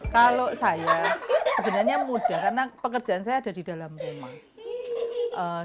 kalau saya sebenarnya mudah karena pekerjaan saya ada di dalam rumah